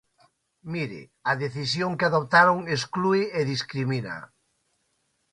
Mire, a decisión que adoptaron exclúe e discrimina.